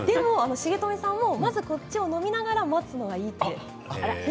重富さんもまずはこっちを飲みながら待つのがいいと。